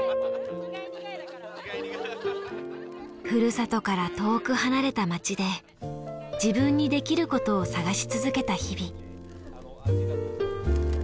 ふるさとから遠く離れた町で自分にできることを探し続けた日々。